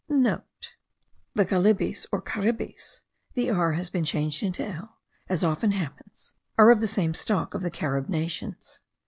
(* The Galibis or Caribis (the r has been changed into l, as often happens) are of the great stock of the Carib nations.